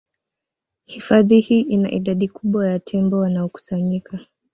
Hifadhi hii ina idadi kubwa ya tembo wanaokusanyika